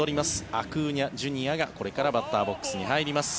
アクーニャＪｒ．が、これからバッターボックスに入ります。